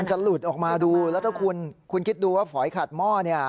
จะหลุดออกมาดูแล้วถ้าคุณคิดดูว่าฝอยขัดหม้อเนี่ย